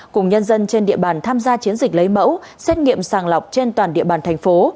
cùng nhân dân trên địa bàn tham gia chiến dịch lấy mẫu xét nghiệm sàng lọc trên toàn địa bàn thành phố